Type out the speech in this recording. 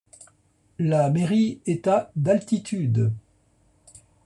La mairie est à d’altitude.